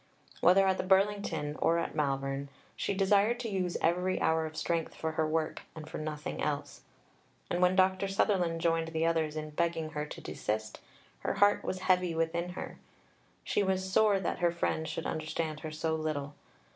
Whether at the Burlington or at Malvern, she desired to use every hour of strength for her work and for nothing else. And when Dr. Sutherland joined the others in begging her to desist, her heart was heavy within her. She was sore that her friend should understand her so little.